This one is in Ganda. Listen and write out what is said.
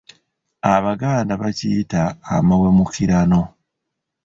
Abaganda bakiyita amawemuukirano.